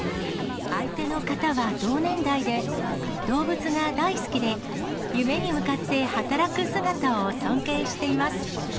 相手の方は同年代で、動物が大好きで、夢に向かって働く姿を尊敬しています。